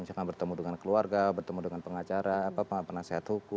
misalkan bertemu dengan keluarga bertemu dengan pengacara penasihat hukum